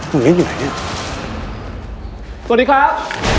ตรงนี้อยู่ไหนเนี้ยสวัสดีครับ